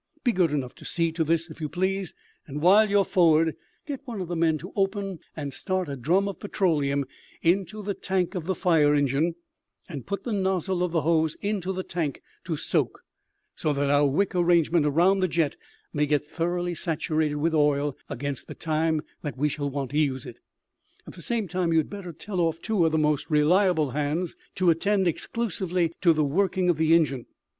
Be good enough to see to this, if you please, and while you are forward get one of the men to open and start a drum of petroleum into the tank of the fire engine, and put the nozzle of the hose into the tank to soak, so that our wick arrangement round the jet may get thoroughly saturated with oil against the time that we shall want to use it. At the same time you had better tell off two of the most reliable hands to attend exclusively to the working of the engine.